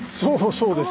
そうです。